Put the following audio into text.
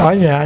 ở nhà nha con